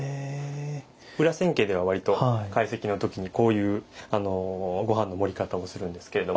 裏千家では割と懐石の時にこういうご飯の盛り方をするんですけれども。